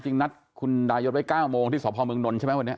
นัดคุณดายศไว้๙โมงที่สพเมืองนนท์ใช่ไหมวันนี้